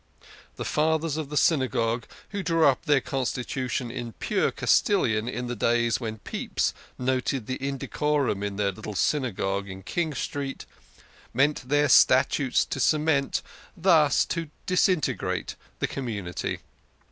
The fathers of the Synagogue, who drew up their constitution in pure Castilian in the days when Pepys noted the indecorum in their little Synagogue in King Street, meant their statutes to cement, not thus to disintegrate, the community.